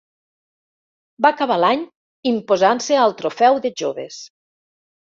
Va acabar l'any imposant-se al Trofeu de Joves.